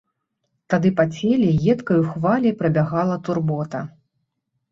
Тады па целе едкаю хваляй прабягала турбота.